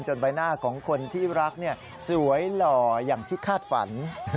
ใบหน้าของคนที่รักสวยหล่ออย่างที่คาดฝัน